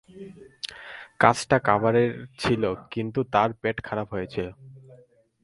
কাজটা কার্ভারের ছিল, কিন্তু তার পেট খারাপ হয়েছে।